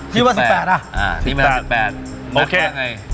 คิดว่าสิบแปดอ่ะอ่าสิบแปดสิบแปดโอเค